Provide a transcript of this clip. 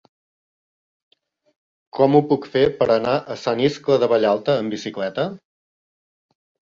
Com ho puc fer per anar a Sant Iscle de Vallalta amb bicicleta?